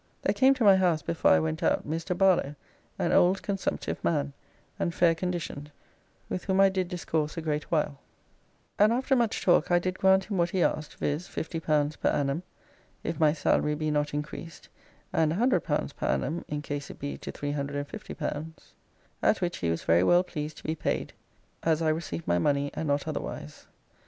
There came to my house before I went out Mr. Barlow, an old consumptive man, and fair conditioned, with whom I did discourse a great while, and after much talk I did grant him what he asked, viz., L50 per annum, if my salary be not increased, and (100 per annum, in case it be to L350), at which he was very well pleased to be paid as I received my money and not otherwise.